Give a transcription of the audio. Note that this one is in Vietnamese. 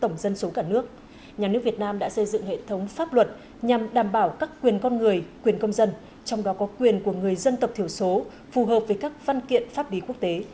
nhà nước nhà nước việt nam đã xây dựng hệ thống pháp luật nhằm đảm bảo các quyền con người quyền công dân trong đó có quyền của người dân tập thiểu số phù hợp với các văn kiện pháp lý quốc tế